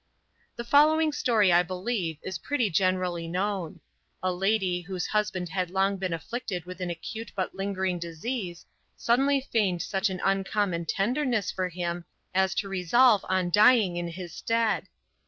The following story, I believe, is pretty generally known. A lady, whose husband had long been afflicted with an acute but lingering disease, suddenly feigned such an uncommon tenderness for him, as to resolve on dying in his stead.